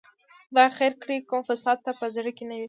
خدای خیر کړي، کوم فساد ته په زړه کې نه وي.